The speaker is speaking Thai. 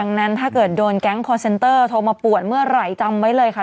ดังนั้นถ้าเกิดโดนแก๊งคอร์เซ็นเตอร์โทรมาป่วนเมื่อไหร่จำไว้เลยค่ะ